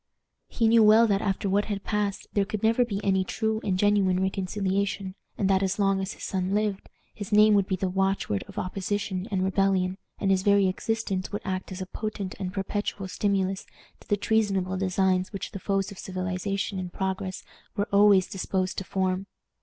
He knew well that after what had passed there could never be any true and genuine reconciliation, and that, as long as his son lived, his name would be the watchword of opposition and rebellion, and his very existence would act as a potent and perpetual stimulus to the treasonable designs which the foes of civilization and progress were always disposed to form.